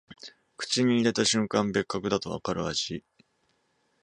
口に入れた瞬間、別格だとわかる味